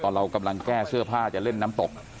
เรากำลังแก้เสื้อผ้าจะเล่นน้ำตก